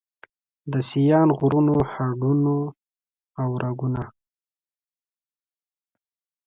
د سیاڼ غرونو هډونه او رګونه